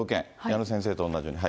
矢野先生と同じように。